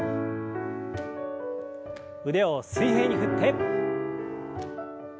腕を水平に振って。